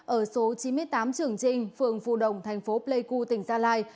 ở số chín mươi tám trường trinh phường phù đồng thành phố pleiku tỉnh gia lai